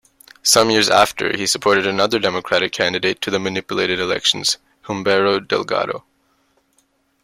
Some years after he supported another democratic candidate to the manipulated elections, Humberto Delgado.